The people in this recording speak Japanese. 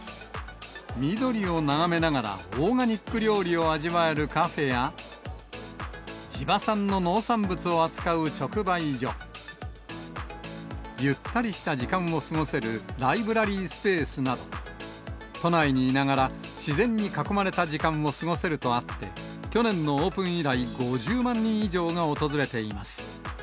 緑を眺めながらオーガニック料理を味わえるカフェや、地場産の農産物を扱う直売所、ゆったりした時間を過ごせるライブラリースペースなど、都内にいながら自然に囲まれた時間を過ごせるとあって、去年のオープン以来、５０万人以上が訪れています。